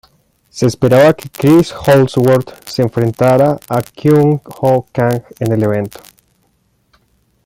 Se esperaba que Chris Holdsworth se enfrentara a Kyung-ho Kang en el evento.